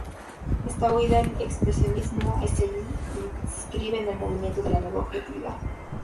Esta huida del expresionismo se inscribe en el movimiento de la Nueva Objetividad.